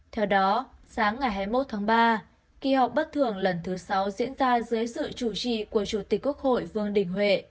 theo đó sáng ngày hai mươi một tháng ba kỳ họp bất thường lần thứ sáu diễn ra dưới sự chủ trì của chủ tịch quốc hội vương đình huệ